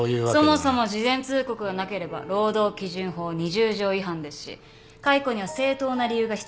そもそも事前通告がなければ労働基準法２０条違反ですし解雇には正当な理由が必要です。